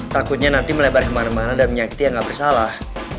takutnya nanti melebar kemana mana dan menyakiti yang gak bersalah